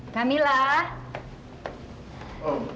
kamilah akan mendonorkan ginjal kamilah